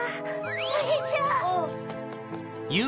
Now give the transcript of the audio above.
それじゃあ！あ。